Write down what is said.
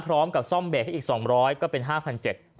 พร้อมกับซ่อมเบรกให้อีกสองร้อยก็เป็นห้าพันเจ็ด